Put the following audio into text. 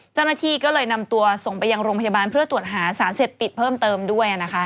เจ้าหน้าที่ก็เลยนำตัวส่งไปยังโรงพยาบาลเพื่อตรวจหาสารเสพติดเพิ่มเติมด้วยนะคะ